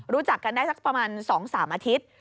รู้จักกันได้สักประมาณ๒๓อาทิตย์